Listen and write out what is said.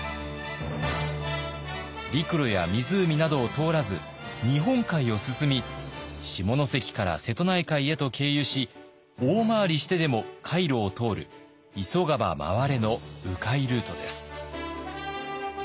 陸路や湖などを通らず日本海を進み下関から瀬戸内海へと経由し大回りしてでも海路を通る急がば回れのう回ルートです。